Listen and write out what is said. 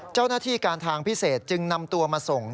เจ้าหน้าที่การทางพิเศษจึงนำตัวมาส่ง